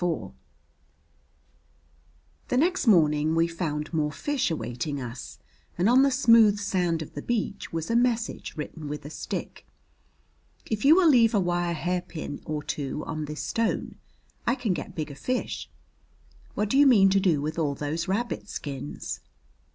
IV The next morning we found more fish awaiting us, and on the smooth sand of the beach was a message written with a stick: If you will leave a wire hairpin or two on this stone I can get bigger fish. What do you mean to do with all those rabbit skins?